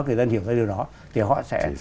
thì dân hiểu ra điều đó thì họ sẽ